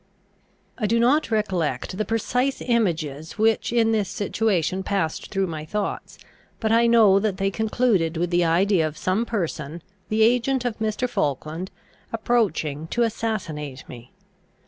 I do not recollect the precise images which in this situation passed through my thoughts, but I know that they concluded with the idea of some person, the agent of Mr. Falkland, approaching to assassinate me.